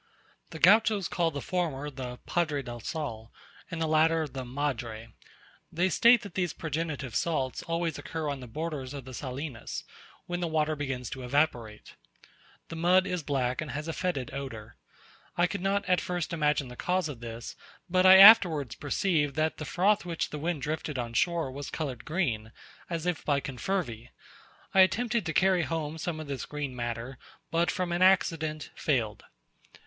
The Gauchos call the former the "Padre del sal," and the latter the "Madre;" they state that these progenitive salts always occur on the borders of the salinas, when the water begins to evaporate. The mud is black, and has a fetid odour. I could not at first imagine the cause of this, but I afterwards perceived that the froth which the wind drifted on shore was coloured green, as if by confervae; I attempted to carry home some of this green matter, but from an accident failed.